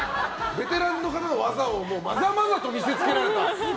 ベテランの方の技をまざまざと見せつけられた。